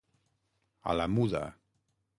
A la muda.